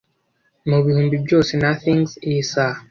Mubihumbi byose nothings yisaha